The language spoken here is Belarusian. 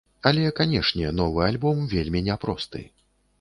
Але, канешне, новы альбом вельмі няпросты.